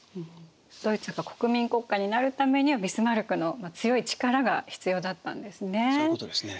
ドイツが国民国家になるためにはビスマルクの強い力が必要だったんですね。